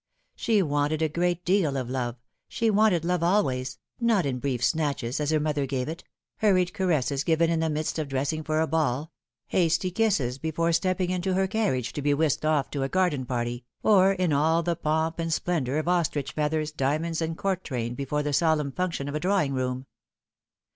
She wanted a great deal of love she wanted love always ; not in brief snatches, as her mother gave it hurried caresses given in the midst of dressing for a ball, hasty kisses before stepping into her carriage to be whisked off to a garden party, ori n all the pomp and splendour of ostrich feathers, diamonds, and court train before the solemn function of a Drawing room.